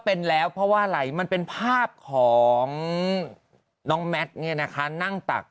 เป็นแล้วเพราะว่าอะไรมันเป็นภาพของน้องแมทเนี่ยนะคะนั่งตัก